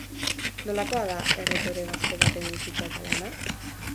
Nolakoa da erretore gazte baten bizitza eta lana?